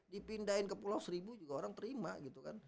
dipindahin ke pulau seribu juga orang terima gitu kan